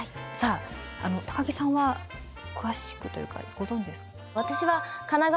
さあ高城さんは詳しくというかご存じですか？